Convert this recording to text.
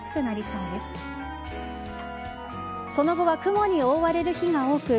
その後は雲に覆われる日が多く